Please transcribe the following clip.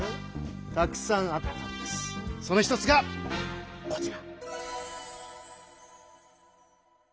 その一つがこちら。